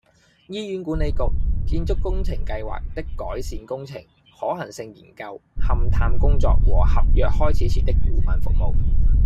醫院管理局－建築工程計劃的改善工程、可行性研究、勘測工作和合約開始前的顧問服務